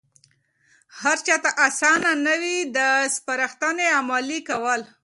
هرچاته آسانه نه وي د سپارښتنې عملي کول.